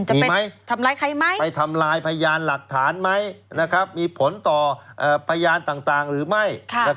มีไหมทำร้ายใครไหมไปทำลายพยานหลักฐานไหมมีผลต่อพยานต่างหรือไม่